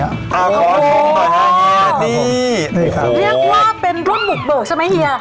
อ้าวขอเชิญหน่อยค่ะเฮียนี่นี่ครับเรียกว่าเป็นรุ่นหมุบโหดใช่ไหมเฮีย